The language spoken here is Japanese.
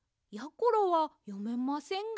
ころはよめませんが。